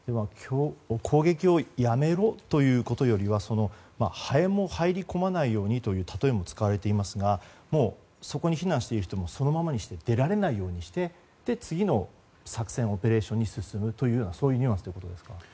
攻撃をやめろということよりはハエも入り込まないようにという例えも使われていますがもう、そこに避難している人もそのままにして出られなようにして次の作戦、オペレーションに進むというようなそういうニュアンスということですか？